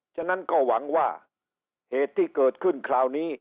ฉะนั้นก็หวังว่าเหตุที่เกิดขึ้นคราวนี้